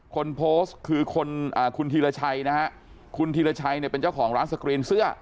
คนโพสต์คือคุณธีรชัยนะฮะคุณธีรชัยเนี่ยเป็นเจ้าของร้านสกรีนเสื้อ